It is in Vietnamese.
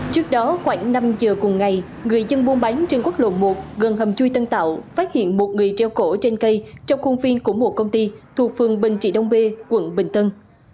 trước đó khoảng năm giờ cùng ngày người dân buôn bán trên quốc lộ một gần hầm chui tân tạo phát hiện một người treo cổ trên cây trong khuôn viên của một công ty thuộc phường bình trị đông bê quận bình tân